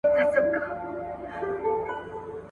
ایا د طلاق واک د نارينه حق ګڼل سوی دی؟